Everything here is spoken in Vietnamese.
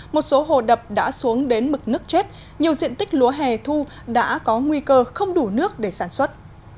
một số hồ đập đã xuống đến mực nước chết nhiều diện tích lúa hè thu đã có nguy cơ không đủ nước để sản xuất